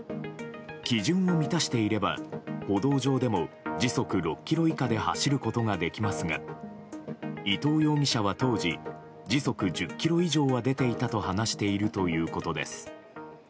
基準を満たしていれば歩道上でも時速６キロ以下で走ることができますが伊藤容疑者は当時時速１０キロ以上は出ていたと話しているということです。